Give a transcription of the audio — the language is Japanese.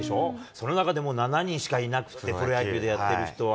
その中でも７人しかいなくて、プロ野球でやってる人は。